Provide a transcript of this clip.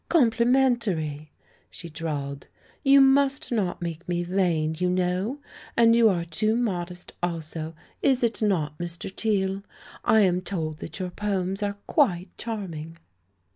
— complimentary," she drawled. "You must not make me vain, you know! And you are too modest also — is it not, Mr. Teale? I am told that your poems are quite charming."